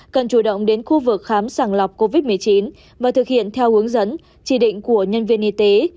cần chủ động đến khu vực khám sàng lọc covid một mươi chín và thực hiện theo hướng dẫn chỉ định của nhân viên y tế